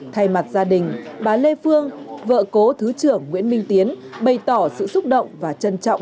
thay mặt gia đình bà lê phương vợ cố thứ trưởng nguyễn minh tiến bày tỏ sự xúc động và trân trọng